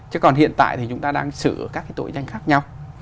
chứ còn hiện tại thì chúng ta đang xử các cái tội danh khác nhau